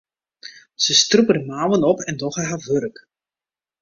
Se strûpe de mouwen op en dogge har wurk.